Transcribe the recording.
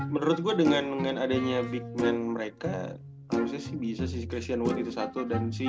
menurut gue dengan adanya bigman mereka harusnya sih bisa sih christian wood itu satu dan si